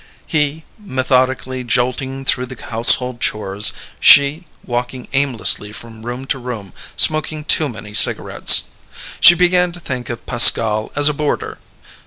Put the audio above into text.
He, methodically jolting through the household chores; she, walking aimlessly from room to room, smoking too many cigarettes. She began to think of Pascal as a boarder.